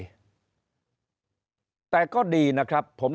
คณะกรรมการก็หมดสภาพไปโดยปริยาย